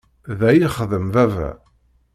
Da i ixeddem baba.